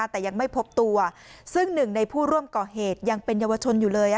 แต่ยังไม่พบตัวซึ่งหนึ่งในผู้ร่วมก่อเหตุยังเป็นเยาวชนอยู่เลย